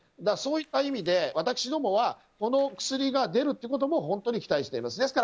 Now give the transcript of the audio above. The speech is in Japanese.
そういった意味で私どもはこの薬が出るということも本当に期待しています。